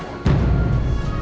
saat kau kebetulan